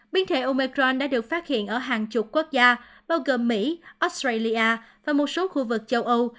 biến thể omecron đã được phát hiện ở hàng chục quốc gia bao gồm mỹ australia và một số khu vực châu âu